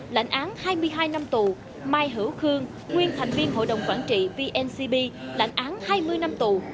lãnh án hai mươi hai năm tù mai hữu khương nguyên thành viên hội đồng quản trị vncb lãnh án hai mươi năm tù